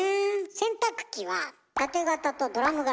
洗濯機はタテ型とドラム型